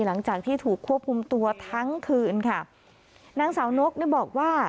หลังจากที่ถูกควบคุมตัวทั้งคืนค่ะนางสาวนกเนี่ยบอกว่า